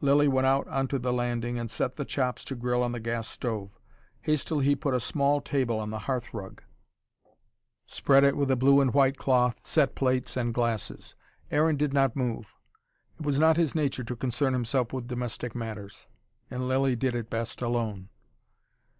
Lilly went out on to the landing, and set the chops to grill on the gas stove. Hastily he put a small table on the hearth rug, spread it with a blue and white cloth, set plates and glasses. Aaron did not move. It was not his nature to concern himself with domestic matters and Lilly did it best alone.